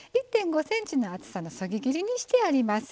１．５ｃｍの厚さのそぎ切りにしてあります。